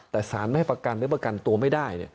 แต่สารไม่ให้ประกันหรือประกันตัวไม่ได้